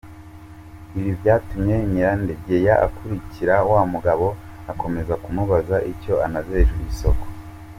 Ibi byatumye Nyirandegeya akurikira wa mugabo akomeza kumubaza icyo anaze hejuru y’isoko.